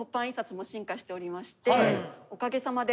おかげさまで。